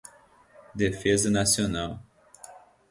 defesa nacional